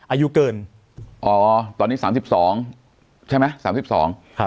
อายุเกินอ๋อตอนนี้สามสิบสองใช่ไหมสามสิบสองครับ